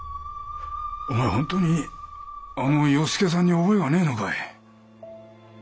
お前本当にあの与助さんに覚えがねえのかい？